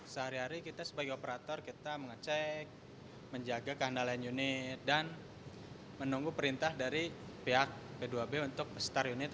sehari hari kita sebagai operator kita mengecek menjaga keandalan unit dan menunggu perintah dari pihak b dua b untuk star unit